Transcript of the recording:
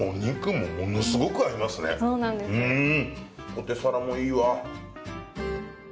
ポテサラもいいわ。